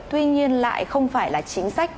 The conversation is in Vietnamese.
tuy nhiên lại không phải là chính sách